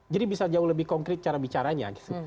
jadi bisa jauh lebih konkret cara bicaranya gitu